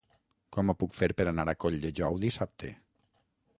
Com ho puc fer per anar a Colldejou dissabte?